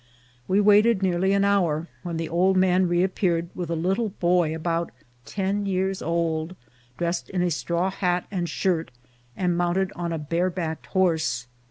We waited nearly an hour, when the old man reappeared with a little boy about ten years old, dressed in a straw hat and shirt, and mounted on a bare backed horse.